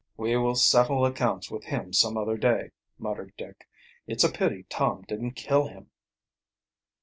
"We will settle accounts with him some day," muttered Dick. "It's a pity Tom didn't kill him."